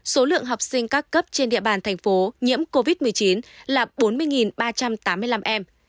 số lượng học sinh các cấp trên địa bàn thành phố nhiễm covid một mươi chín là bốn mươi ba trăm tám mươi năm em